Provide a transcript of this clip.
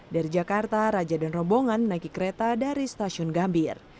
dari jakarta raja dan rombongan menaiki kereta dari stasiun gambir